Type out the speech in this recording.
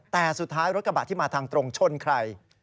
แต่สุดท้ายรถกระบะที่มาทางตรงชนใคร